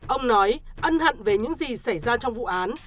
ông nói ân hận về những gì xảy ra trong vụ án